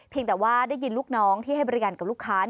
แต่ว่าได้ยินลูกน้องที่ให้บริการกับลูกค้า